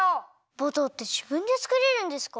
バターってじぶんでつくれるんですか？